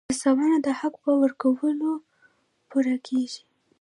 هڅونه د حق په ورکولو پوره کېږي.